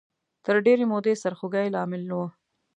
تر ډېرې مودې سرخوږۍ لامل و